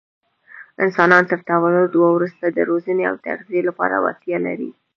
انسانان تر تولد وروسته د روزنې او تغذیې لپاره وړتیا لري.